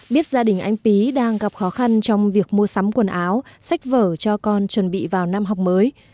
biết gia đình anh pí đang gặp khó khăn trong việc mua sắm quần áo sách vở cho con chuẩn bị vào năm học mới